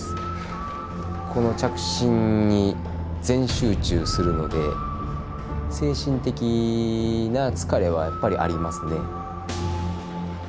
この着信に全集中するので精神的な疲れはやっぱりありますね。